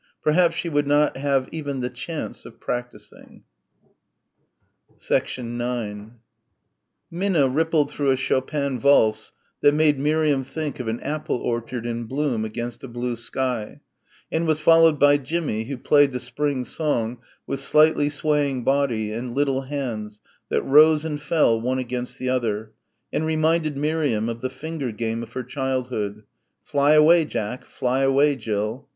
Perhaps she would not have even the chance of practising. 9 Minna rippled through a Chopin valse that made Miriam think of an apple orchard in bloom against a blue sky, and was followed by Jimmie who played the Spring Song with slightly swaying body and little hands that rose and fell one against the other, and reminded Miriam of the finger game of her childhood "Fly away Jack, fly away Jill."